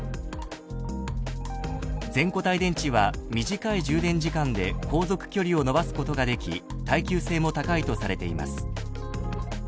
［全固体電池は短い充電時間で航続距離を延ばすことができ耐久性も高いとされています］